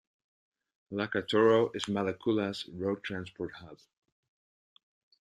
Lakatoro is Malekula's road transport hub.